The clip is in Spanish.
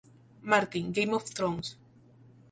Martin, Game of Thrones.